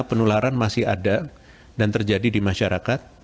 penularan masih ada dan terjadi di masyarakat